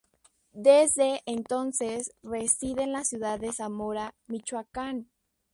Desde entonces, reside en la ciudad de Zamora, Michoacán.